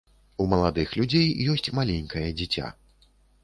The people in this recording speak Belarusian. У маладых людзей ёсць маленькае дзіця.